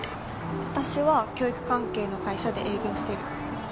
私は教育関係の会社で営業してる。